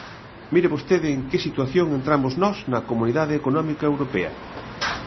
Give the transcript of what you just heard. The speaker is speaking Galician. Mire vostede en que situación entramos nós na Comunidade Económica Europea.